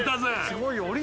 すごいよ。